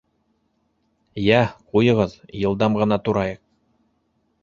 — Йә, ҡуйығыҙ, йылдам ғына турайыҡ!